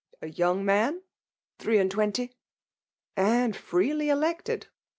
" A young man ?'"*« Threc and twenty." " And freely elected !